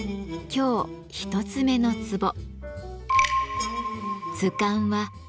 今日一つ目のツボ